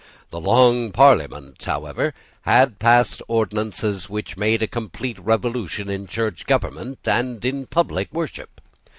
The Long Parliament, however, had passed ordinances which had made a complete revolution in Church government and in public worship.